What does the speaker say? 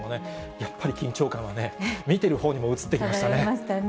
やっぱり緊張感はね、見てるほうにもうつってきましたね。